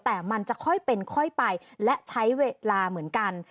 แต่มันจะค่อยเป็นค่อยไปและใช้เวลาเหมือนกัน